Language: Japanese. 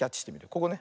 ここね。